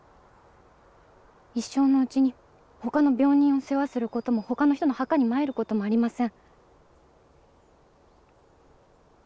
一生のうちにほかの病人を世話することもほかの人の墓に参ることもありません。